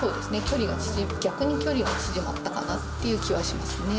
距離が逆に距離は縮まったかなっていう気はしますね。